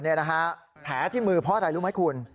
นี่นะฮะแผลที่มือเพราะอะไรรู้ไหมคุณ